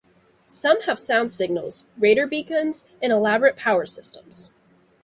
Some have sound signals, radar beacons, and elaborate power systems.